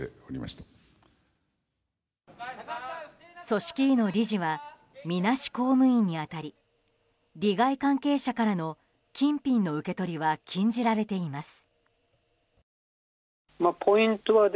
組織委の理事はみなし公務員に当たり利害関係者からの金品の受け取りは禁じられています。